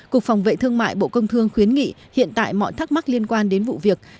cục phòng vệ thương mại bộ công thương khuyến nghị hiện tại mọi thắc mắc liên quan đến vụ việc